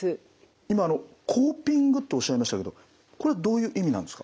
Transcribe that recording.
今あのコーピングとおっしゃいましたけどこれはどういう意味なんですか？